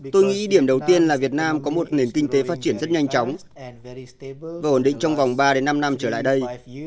tôi nghĩ điểm đầu tiên là việt nam có một nền kinh tế phát triển rất nhanh chóng và ổn định trong vòng ba năm năm trở lại đây